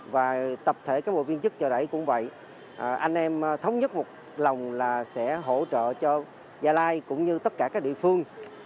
và tập thể cán bộ viên chức chợ đẩy cũng vậy anh em thống nhất một lòng là sẽ hỗ trợ cho gia lai cũng như tất cả các địa phương